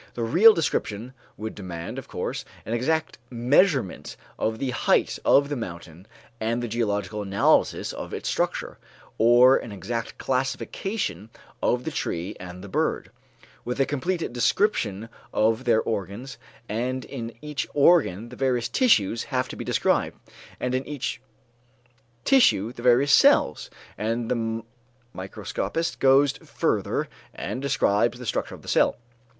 The real description would demand, of course, an exact measurement of the height of the mountain and the geological analysis of its structure, or an exact classification of the tree and the bird, with a complete description of their organs, and in each organ the various tissues have to be described, and in each tissue the various cells, and the microscopist goes further and describes the structure of the cell.